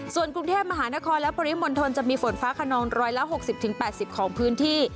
ส่วนกรุงเทพมหานครและปริมณฑลจะมีฝนฟ้าขนอง๑๖๐๘๐ของพื้นที่